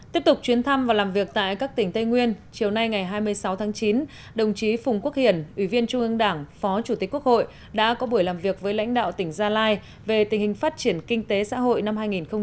tiếp tục chuyến thăm và làm việc tại các tỉnh tây nguyên chiều nay ngày hai mươi sáu tháng chín đồng chí phùng quốc hiển ủy viên trung ương đảng phó chủ tịch quốc hội đã có buổi làm việc với lãnh đạo tỉnh gia lai về tình hình phát triển kinh tế xã hội năm hai nghìn một mươi chín